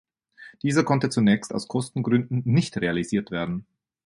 Dieser konnte zunächst aus Kostengründen nicht realisiert werden.